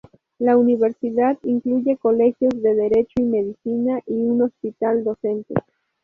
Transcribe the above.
La universidad incluye colegios de Derecho y Medicina y un hospital docente.